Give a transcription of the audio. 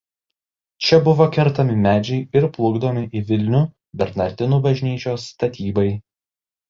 Čia buvo kertami medžiai ir plukdomi į Vilnių Bernardinų bažnyčios statybai.